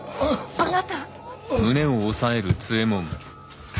あなた。